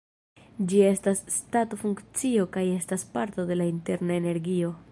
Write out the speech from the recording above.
Ĝi estas stato-funkcio kaj estas parto de la interna energio.